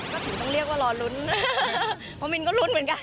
ก็ถึงต้องเรียกว่ารอลุ้นเพราะมินก็ลุ้นเหมือนกัน